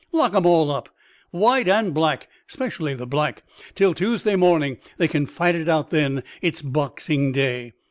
"Lock'em all up, white and black, especially the black, till Tuesday morning; they can fight it out then—it's Boxing Day.